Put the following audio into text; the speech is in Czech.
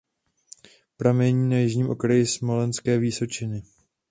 Pramení na jižním okraji Smolenské vysočiny.